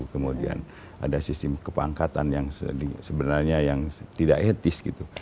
kemudian ada sistem kepangkatan yang sebenarnya yang tidak etis gitu